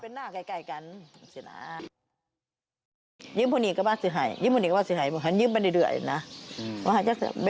พระอุทิศหนีไปแน่ครับ